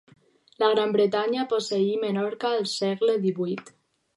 La Gran Bretanya posseí Menorca al segle divuit.